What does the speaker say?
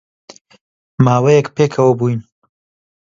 ماوەیەک پێکەوە بووین